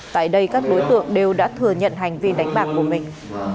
tại đây các đối tượng đều đã thừa nhận hành vi đánh bạc của mình